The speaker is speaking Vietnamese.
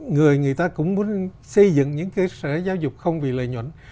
người người ta cũng muốn xây dựng những cơ sở giáo dục không vì lợi nhuận